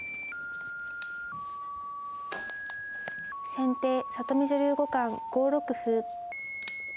先手里見女流五冠５六歩。